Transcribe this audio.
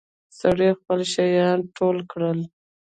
سړي خپل شيان ټول کړل.